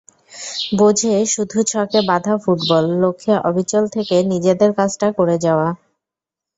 বোঝে শুধু ছকে বাঁধা ফুটবল, লক্ষ্যে অবিচল থেকে নিজেদের কাজটা করে যাওয়া।